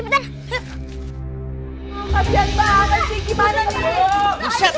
buat ruang gue